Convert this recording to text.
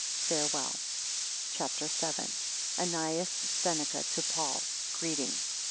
Farewell. CHAPTER VII. ANNAEUS SENECA to PAUL Greeting.